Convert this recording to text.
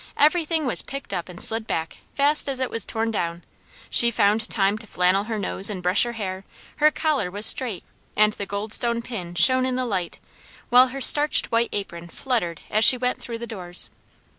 Everything was picked up and slid back, fast as it was torn down; she found time to flannel her nose and brush her hair, her collar was straight, and the goldstone pin shone in the light, while her starched white apron fluttered as she went through the doors.